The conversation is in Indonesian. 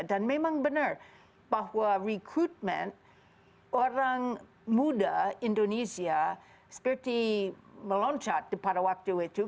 dan memang benar bahwa rekrutmen orang muda indonesia seperti meloncat pada waktu itu